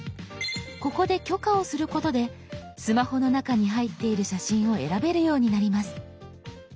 ここで許可をすることでスマホの中に入っている写真を選べるようになります。